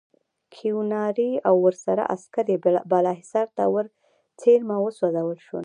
کیوناري او ورسره عسکر یې بالاحصار ته ورڅېرمه وسوځول شول.